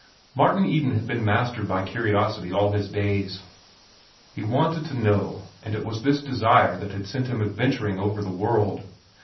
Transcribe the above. Martin Eden had been mastered by curiosity all his days. He wanted to know, and it was this desire that had sent him adventuring over the world.